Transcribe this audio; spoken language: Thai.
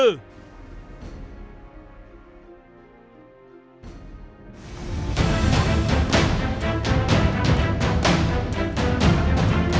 โปรดติดตามตอนต่อไป